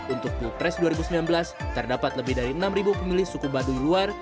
untuk pilpres dua ribu sembilan belas terdapat lebih dari enam pemilih suku baduy luar